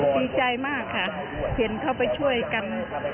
ดีใจมากค่ะเห็นเขาไปช่วยกัน